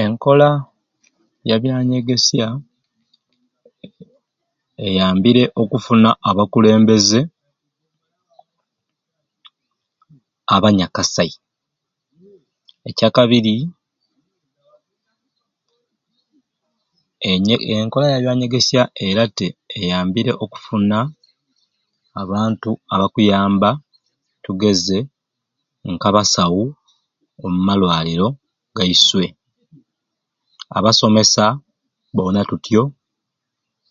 Enkola ya byanyegesya eyambire okufuna abakulembeze abanyakasai ekyakabiri enye enkola ya byanyegesya era te eyambire okufuna abantu abakuyamba tugeze nk'abasawu omu malwaliro gaiswe abasomesa boona tutyo.